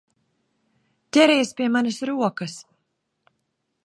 Ķeries pie manas rokas!